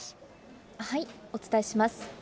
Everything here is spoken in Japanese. お伝えします。